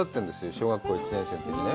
小学校１年生のときね。